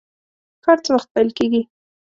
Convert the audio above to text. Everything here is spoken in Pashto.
کار څه وخت پیل کیږي؟